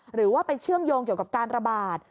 หรือว่าไปเชื่อมโยงเกี่ยวกับการระบาด